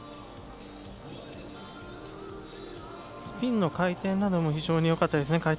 スピンの回転なども非常によかったですね。